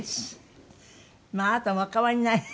まああなたもお変わりないわね全然ね。